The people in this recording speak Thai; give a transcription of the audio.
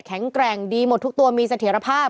แข็งแกร่งดีหมดทุกตัวมีเสถียรภาพ